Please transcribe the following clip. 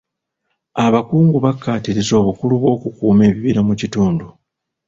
Abakungu bakkaatirizza obukulu bw'okukuuma ebibira mu kitundu.